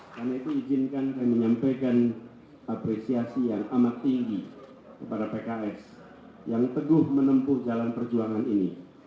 karena itu izinkan saya menyampaikan apresiasi yang amat tinggi kepada pks yang teguh menempuh jalan perjuangan ini